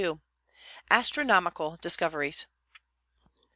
ASTRONOMICAL DISCOVERIES.